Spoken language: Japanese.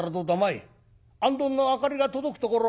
あんどんの明かりが届くところ